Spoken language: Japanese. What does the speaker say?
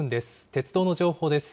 鉄道の情報です。